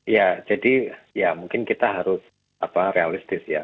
ya jadi ya mungkin kita harus realistis ya